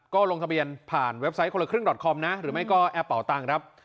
ก็ลงทะเบียนผ่านเว็บไซต์คนละครึ่งดอตคอมนะหรือไม่ก็แอปเป่าตังค์ครับ